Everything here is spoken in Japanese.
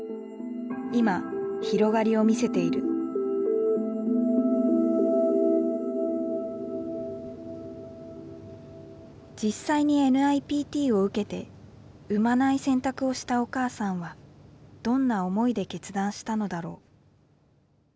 今広がりを見せている実際にＮＩＰＴを受けて生まない選択をしたお母さんはどんな思いで決断したのだろう。